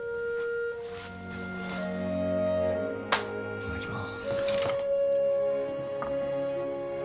いただきます。